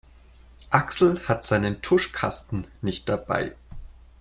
Axel hat seinen Tuschkasten nicht dabei.